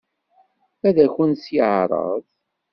Ad akent-t-yeɛṛeḍ?